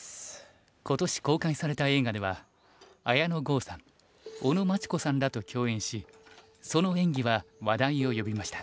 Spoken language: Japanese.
今年公開された映画では綾野剛さん尾野真千子さんらと共演しその演技は話題を呼びました。